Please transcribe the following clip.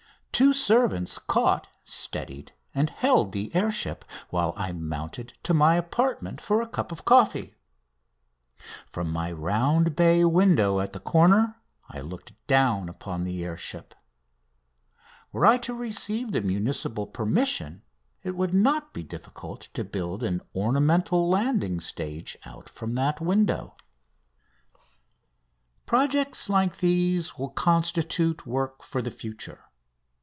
Two servants caught, steadied, and held the air ship, while I mounted to my apartment for a cup of coffee. From my round bay window at the corner I looked down upon the air ship. Were I to receive the municipal permission it would not be difficult to build an ornamental landing stage out from that window. [Illustration: "No. 9." M. SANTOS DUMONT LANDS AT HIS OWN DOOR] Projects like these will constitute work for the future.